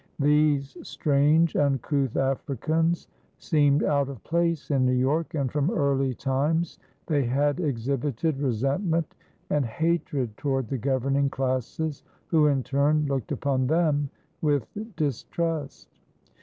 These strange, uncouth Africans seemed out of place in New York, and from early times they had exhibited resentment and hatred toward the governing classes, who in turn looked upon them with distrust.